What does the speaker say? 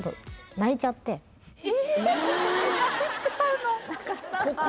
泣いちゃうの？